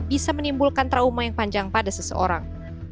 bisa menimbulkan trauma yang panjang pada seseorang